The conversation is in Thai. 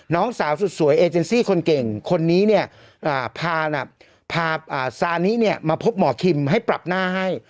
น้องสาวสุดสวยเอเจนซี่คนเก่งคนนี้เนี่ยพาซานิเนี่ยมาพบหมอคิมให้ปรับหน้าให้